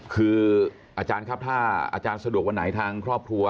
คืออาจารย์ครับถ้าอาจารย์สะดวกวันไหนทางครอบครัว